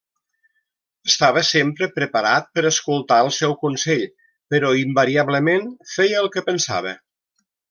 Estava sempre preparat per escoltar el seu consell, però invariablement feia el que pensava.